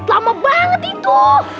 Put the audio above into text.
lama banget itu